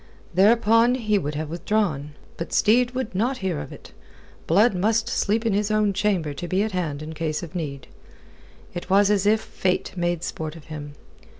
Thereupon he would have withdrawn. But Steed would not hear of it. Blood must sleep in his own chamber to be at hand in case of need. It was as if Fate made sport of him.